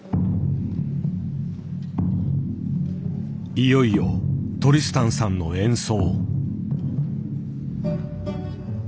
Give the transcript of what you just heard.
いよいよトリスタンさんの演奏。